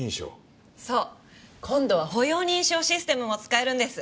今度は歩容認証システムも使えるんです！